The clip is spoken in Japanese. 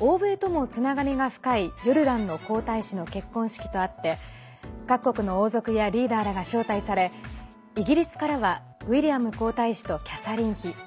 欧米ともつながりが深いヨルダンの皇太子の結婚式とあって各国の王族やリーダーらが招待されイギリスからはウィリアム皇太子とキャサリン妃